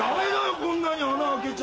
こんなに穴開けちゃ。